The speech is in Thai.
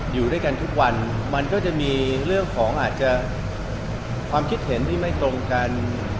อยู่ด้วยกันทุกวันมันก็จะมีเรื่องของอาจจะความคิดเห็นที่ไม่ตรงกัน